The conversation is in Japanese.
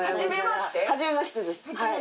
初めましてですはい。